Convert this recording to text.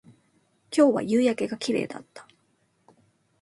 今日は夕焼けが綺麗だった